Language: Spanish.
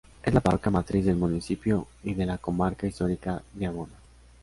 Es la parroquia matriz del municipio y de la comarca histórica de Abona.